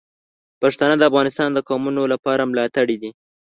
پښتانه د افغانستان د قومونو لپاره ملاتړي دي.